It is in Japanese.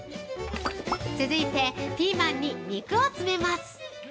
◆続いてピーマンに肉を詰めます。